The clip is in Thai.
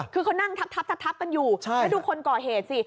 คือเขานั่งทับกันอยู่แล้วดูคนก่อเหตุสิ